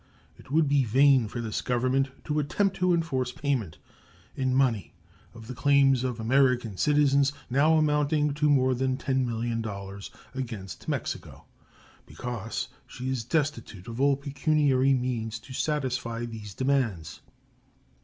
It would be vain for this Government to attempt to enforce payment in money of the claims of American citizens, now amounting to more than $10,000,000, against Mexico, because she is destitute of all pecuniary means to satisfy these demands.